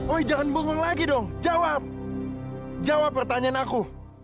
oi jangan bongong lagi dong jawab jawab pertanyaan aku